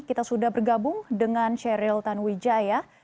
kita sudah bergabung dengan sheryl tanwijaya